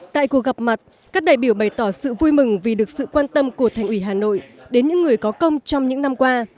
tại cuộc gặp mặt các đại biểu bày tỏ sự vui mừng vì được sự quan tâm của thành ủy hà nội đến những người có công trong những năm qua